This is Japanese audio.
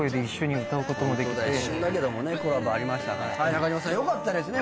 中島さんよかったですね。